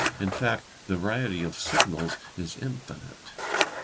In fact, the variety of signals is infinite.